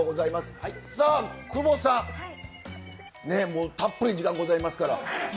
久保さん、たっぷり時間ございますから。